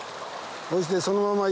そしてそのまま。